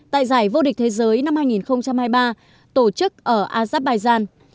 tại giải vô địch thế giới năm hai nghìn hai mươi ba tổ chức ở azerbaijan